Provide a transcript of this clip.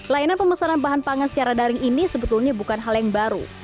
layanan pemesanan bahan pangan secara daring ini sebetulnya bukan hal yang baru